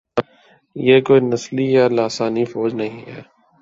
یہ کوئی نسلی یا لسانی فوج نہیں ہے۔